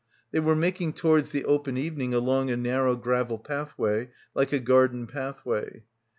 They were making towards the open evening along a narrow gravel pathway, like a garden pathway.